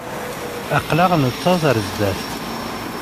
Aql-aɣ nettaẓ ar zdat.